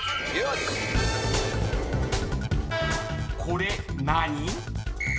［これ何？］